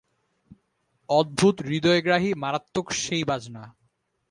অদ্ভুত, হৃদয়গ্রাহী, মারাত্মক সেইবাজনা।